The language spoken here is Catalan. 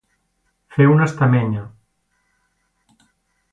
Fer una estamenya.